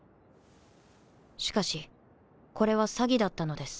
しかしこれは詐欺だったのです。